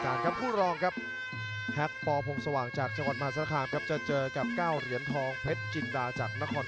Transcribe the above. ทุกคนค่ะผู้หญิงต่อไปกับที่สุดของทายท่านประจูปฮิลิกันประจูปฮิลิกันประจูปฮิลิกันปราฟุตรี